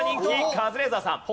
カズレーザーさん。